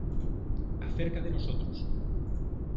Acerca de nosotros